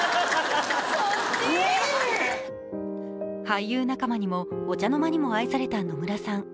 俳優仲間にもお茶の間にも愛された野村さん。